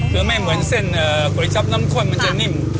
คือไม่เหมือนเส้นก๋วยจับน้ำข้นมันจะนิ่ม